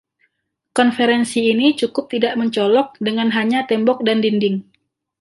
Konferensi ini cukup tidak mencolok, dengan hanya tembok dan dinding.